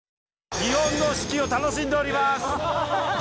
日本の四季を楽しんでおります